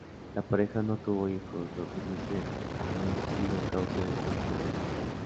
La pareja no tuvo hijos, lo que dicen haber sido causa de su sufrimiento.